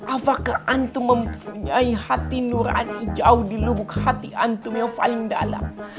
apakah antu mempunyai hati nurani jauh di lubuk hati antum yang paling dalam